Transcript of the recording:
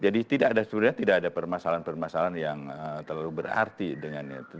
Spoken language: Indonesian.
jadi sebenarnya tidak ada permasalahan permasalahan yang terlalu berarti dengan itu